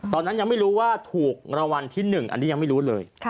ตอนนั้นยังไม่รู้ว่าถูกรางวัลที่๑อันนี้ยังไม่รู้เลย